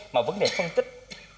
mà vấn đề phân tích